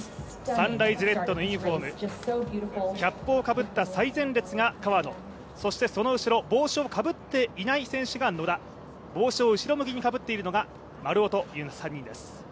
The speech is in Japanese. サンライズレッドのユニフォームキャップをかぶった最前列が川野、そしてその後ろ帽子をかぶっていない選手が野田、帽子を後ろ向きにかぶっているのが丸尾という３人です。